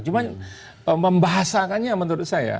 cuman membahasakannya menurut saya